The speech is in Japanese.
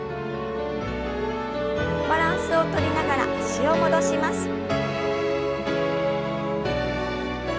バランスをとりながら脚を戻します。